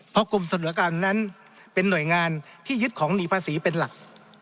เพราะกลุ่มเสนอการนั้นเป็นหน่วยงานที่ยึดของหนีภาษีเป็นหลัก